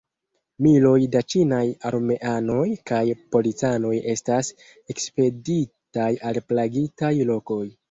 Miloj da ĉinaj armeanoj kaj policanoj estas ekspeditaj al plagitaj lokoj.